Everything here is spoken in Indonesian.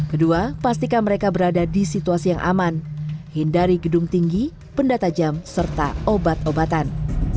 kedua pastikan mereka berada di situasi yang aman hindari gedung tinggi benda tajam serta obat obatan